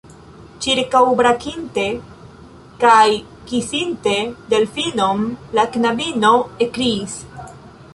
Ĉirkaŭbrakinte kaj kisinte Delfinon, la knabino ekkriis: